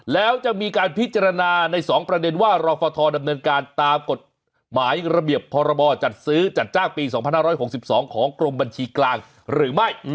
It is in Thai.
แล้วจะมีการพิจารณาใน๒ประเด็นว่ารอฟทดำเนินการตามกฎหมายระเบียบพรบจัดซื้อจัดจ้างปี๒๕๖๒ของกรมบัญชีกลางหรือไม่